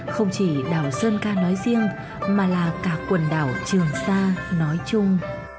không chỉ đảo sơn ca nói riêng mà là cả quần đảo trường sa nói chung